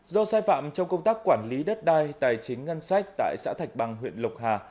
do sai phạm trong công tác quản lý đất đai tài chính ngân sách tại xã thạch bằng huyện lộc hà